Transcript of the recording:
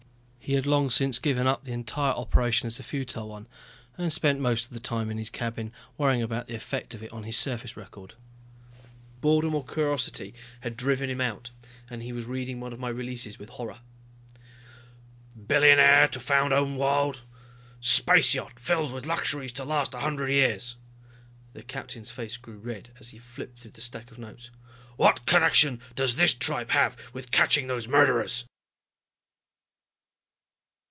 He had long since given up the entire operation as a futile one, and spent most of the time in his cabin worrying about the affect of it on his service record. Boredom or curiosity had driven him out, and he was reading one of my releases with horror. "Billionaire to found own world ... space yacht filled with luxuries to last a hundred years," the captain's face grew red as he flipped through the stack of notes. "What connection does this tripe have with catching those murderers?"